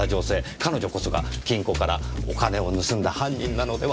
彼女こそが金庫からお金を盗んだ犯人なのではないかと。